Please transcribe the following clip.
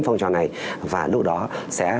phong trào này và lúc đó sẽ